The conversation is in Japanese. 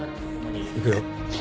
行くよ。